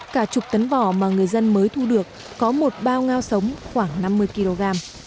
cả chục tấn bò mà người dân mới thu được có một bao ngao sống khoảng năm mươi kg